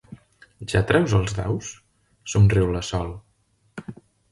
Ja treus els daus? —somriu la Sol.